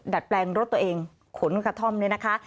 ดัดแปลงรถตัวเองขนกระท่อมเนี่ยนะคะ